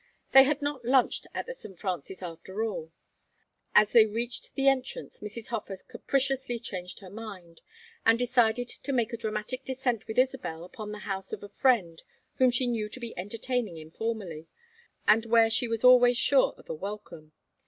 They had not lunched at The St. Francis, after all. As they reached the entrance Mrs. Hofer capriciously changed her mind, and decided to make a dramatic descent with Isabel upon the house of a friend whom she knew to be entertaining informally, and where she was always sure of a welcome.